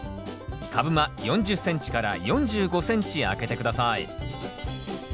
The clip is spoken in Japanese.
株間４０ｃｍ４５ｃｍ空けて下さい。